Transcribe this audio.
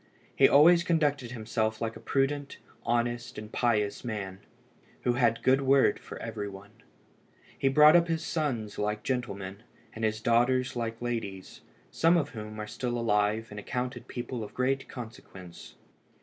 He always conducted himself like a prudent, honest, and pious man, who had a good word for every one. He brought up his sons like gentlemen, and his daughters like ladies, some of whom are still alive, and accounted people of great consequence.